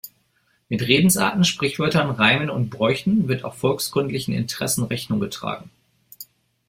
Mit Redensarten, Sprichwörtern, Reimen und Bräuchen wird auch volkskundlichen Interessen Rechnung getragen.